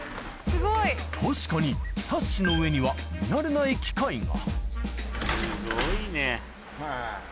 確かにサッシの上には見慣れない機械がすごいね。